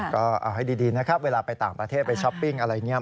ก็เอาให้ดีนะครับเวลาไปต่างประเทศไปช้อปปิ้งอะไรเนี่ย